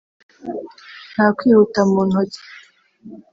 nta kwihuta mu ntoki